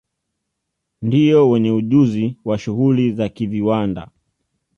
Ndio wenye ujuzi wa shughuli za kiviwanda